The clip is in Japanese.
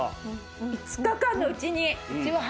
５日間のうちにうちは。